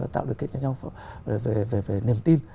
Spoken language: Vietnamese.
tạo điều kiện cho nhau về niềm tin